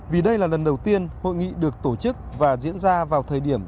vì đây là lần đầu tiên hội nghị được tổ chức và diễn ra vào thời điểm